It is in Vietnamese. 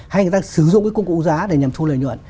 hay người ta sử dụng cái công cụ giá để nhằm thu lợi nhuận